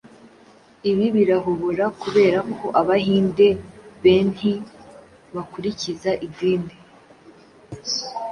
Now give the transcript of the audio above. Ibi birahobora kubera ko Abahinde benhi bakurikiza idini